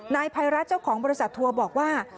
นายภัยรัฐเจ้าของบริษัททัวร์บอกว่า